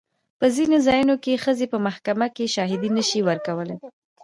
په ځینو ځایونو کې ښځې په محکمې کې شاهدي نه شي ورکولی.